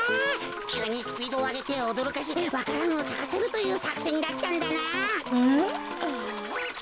きゅうにスピードをあげておどろかせわか蘭をさかせるというさくせんだったんだな。